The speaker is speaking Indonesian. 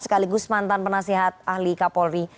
sekaligus mantan penasehat ahli kapolri